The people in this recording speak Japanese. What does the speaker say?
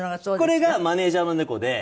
これがマネージャーの猫で。